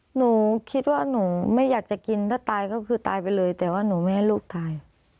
หนูคิดว่าหนูไม่อยากจะกินถ้าตายก็คือตายไปเลยแต่ว่าหนูไม่ให้ลูกตาย